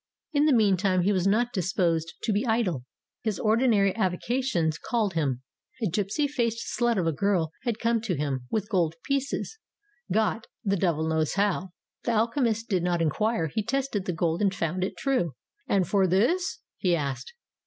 In the meantime he was not disposed to be idle. His ordinary avocations called him. A gipsy faced slut of a girl had come to him with gold pieces, got, the devil knows how. The alchemist did not inquire. He tested the gold and found it true. "And for this ?" he asked.